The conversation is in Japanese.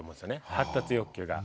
発達欲求が。